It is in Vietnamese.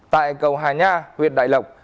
tại cầu hà nha huyện đại lộc